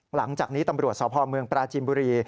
หลังจากนี้ตำรวจสพเมืองปราจินบุรี